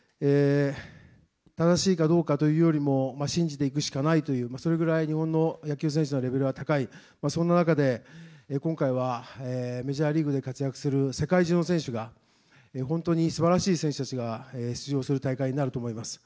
正しいかどうかというよりも、信じていくしかないという、それぐらい、日本の野球選手のレベルは高い、そんな中で、今回はメジャーリーグで活躍する世界中の選手が、本当にすばらしい選手たちが出場する大会になると思います。